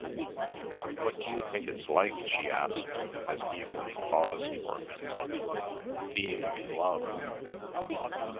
"What d'you think it's like," she asked, as Evelyn paused for a minute, "being in love?"